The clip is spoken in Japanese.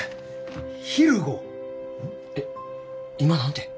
えっ今何て？